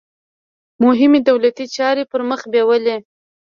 مهمې دولتي چارې پرمخ بیولې.